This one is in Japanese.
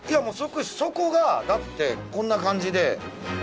底がだってこんな感じで。